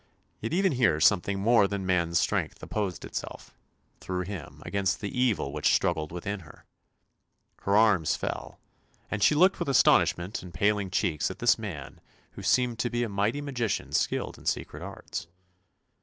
Yet even here something more than man's strength opposed itself, through him, against the evil which struggled within her. Her arms fell, and she looked with astonishment and paling cheeks at this man who seemed to be a mighty magician skilled in secret arts.